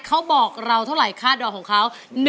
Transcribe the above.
เขาบอกเราเท่าไหร่ค่าดอกของเขา